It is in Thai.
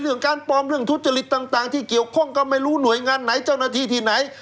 การปลอมเรื่องทุจริตต่างที่เกี่ยวข้องก็ไม่รู้หน่วยงานไหนเจ้าหน้าที่ที่ไหน